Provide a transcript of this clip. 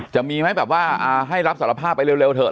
จะมีไหมแบบว่าให้รับสารภาพไปเร็วเถอ